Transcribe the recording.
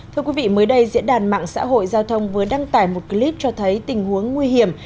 thưa quý vị mới đây diễn đàn mạng xã hội giao thông vừa đăng tải một clip cho thấy tình huống nguy hiểm